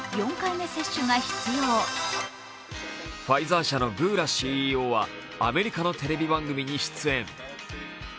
ファイザー社のブーラＣＥＯはアメリカのテレビ番組に出演。